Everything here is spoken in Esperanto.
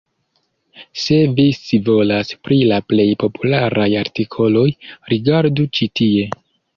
Se vi scivolas pri la plej popularaj artikoloj, rigardu ĉi tie.